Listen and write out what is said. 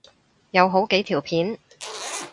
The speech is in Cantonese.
有好幾條片